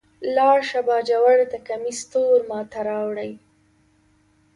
لاړ شه باجوړ ته کمیس تور ما ته راوړئ.